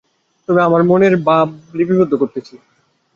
তবে আমার মনের ভাব লিপিবদ্ধ করিতেছি।